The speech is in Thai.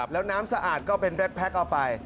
แล้วน้ำสะอาดก็เป็นแพ็คเอาไป